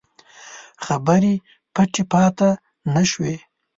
خبرې پټې پاته نه شوې.